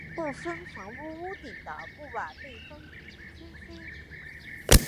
部分房屋屋顶的木瓦被风吹飞。